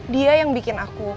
dia yang bikin aku